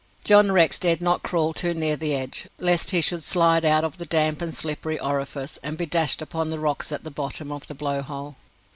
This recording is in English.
John Rex dared not crawl too near the edge, lest he should slide out of the damp and slippery orifice, and be dashed upon the rocks at the bottom of the Blow hole.